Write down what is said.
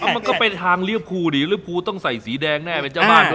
มันก็เป็นทางเรียกครูดิเรียกครูต้องใส่สีแดงแน่เป็นเจ้าบ้านด้วย